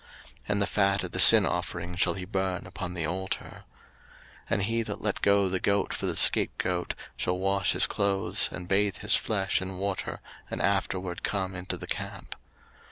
03:016:025 And the fat of the sin offering shall he burn upon the altar. 03:016:026 And he that let go the goat for the scapegoat shall wash his clothes, and bathe his flesh in water, and afterward come into the camp.